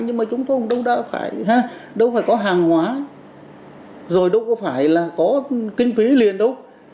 nhưng mà chúng tôi đâu phải có hàng hóa rồi đâu có phải là có kinh phí liền đâu